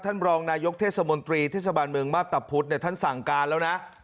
ท่านบรองนายยกทฤษมนตรีเทศบันเมิงมาปตบพุธเนี่ยท่านสั่งการแล้วนะ